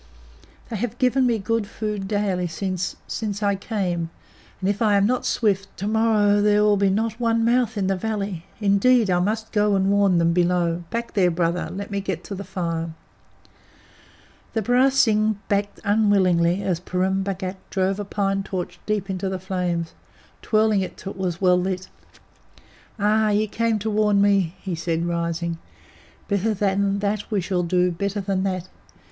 "They have given me good food daily since since I came, and, if I am not swift, to morrow there will not be one mouth in the valley. Indeed, I must go and warn them below. Back there, Brother! Let me get to the fire." The barasingh backed unwillingly as Purun Bhagat drove a pine torch deep into the flame, twirling it till it was well lit. "Ah! ye came to warn me," he said, rising. "Better than that we shall do; better than that.